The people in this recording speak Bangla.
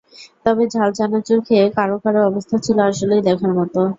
তবে ঝাল চানাচুর খেয়ে কারও কারও অবস্থা ছিল আসলেই দেখার মতো।